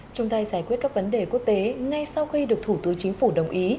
chung tay giải quyết các vấn đề quốc tế ngay sau khi được thủ tướng chính phủ đồng ý